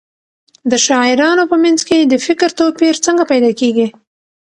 د شاعرانو په منځ کې د فکر توپیر څنګه پیدا کېږي؟